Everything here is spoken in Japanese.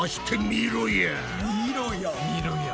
みろや！